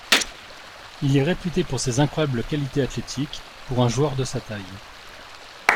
Il est réputé pour ses incroyables qualités athlétiques pour un joueur de sa taille.